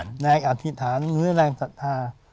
แรงอธิษฐานหรือแรงศรัทธา